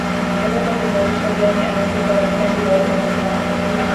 Dereva aliyesababisha ajali amekufa lakini abiria wote wamepona.